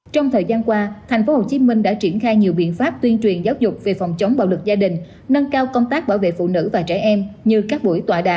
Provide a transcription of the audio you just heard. trường đại học luật tp hcm cho biết mục đích hướng tới của luật phòng chống bạo lực gia đình và để đạt được kết quả này